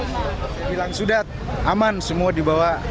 saya bilang sudah aman semua dibawa